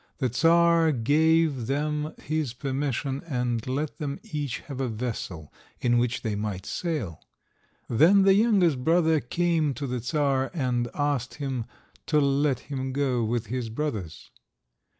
The Czar gave them his permission, and let them each have a vessel in which they might sail. Then the youngest brother came to the Czar and asked him to let him go with his brothers.